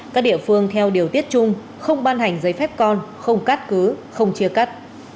các địa phương theo điều tiết chung không ban hành giấy phép con không cắt cứ không chia cắt